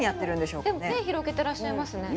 手を広げてらっしゃいますね。